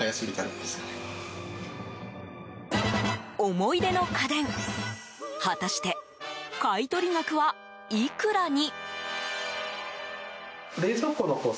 思い出の家電、果たして買い取り額はいくらに？